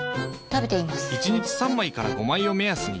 １日３枚から５枚を目安に。